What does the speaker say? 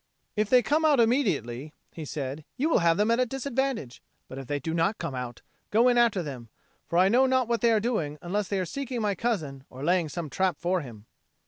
"If they come out again immediately," he said, "you will have them at a disadvantage; but if they do not come out, go in after them; for I know not what they are doing unless they are seeking my cousin or laying some trap for him."